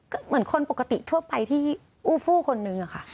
ก็เหมือนคนปกติทั่วไปที่อู้ฟู้คนนึงอะค่ะ